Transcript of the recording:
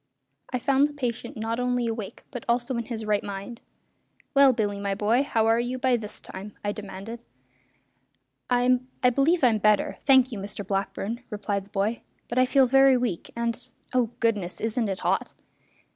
I found the patient not only awake but also in his right mind. "Well, Billy, my boy, how are you by this time?" I demanded. "I believe I'm better, thank you, Mr Blackburn," replied the boy; "but I feel very weak and oh, goodness! isn't it hot?"